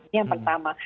ini yang pertama